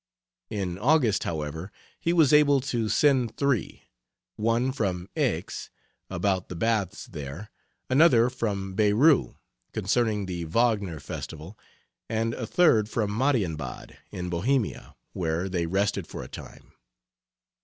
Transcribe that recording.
In August, however, he was able to send three: one from Aix about the baths there, another from Bayreuth concerning the Wagner festival, and a third from Marienbad, in Bohemia, where they rested for a time.